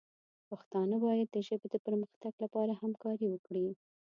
پښتانه باید د ژبې د پرمختګ لپاره همکاري وکړي.